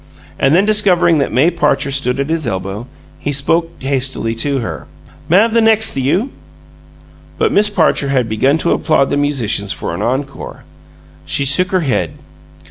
And then discovering that May Parcher stood at his elbow, he spoke hastily to her. "M'av the next 'thyou?" But Miss Parcher had begun to applaud the musicians for an encore. She shook her head.